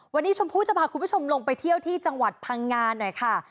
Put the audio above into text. วันนี้ชมพู่จะพาคุณผู้ชมลงไปเที่ยวที่จังหวัดพังงาหน่อยค่ะ